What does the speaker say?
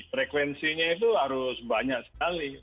frekuensinya itu harus banyak sekali